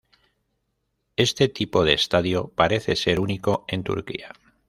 Este tipo de estadio parece ser único en Turquía.